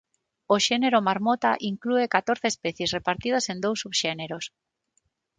O xénero "Marmota" inclúe catorce especies repartidas en dous subxéneros.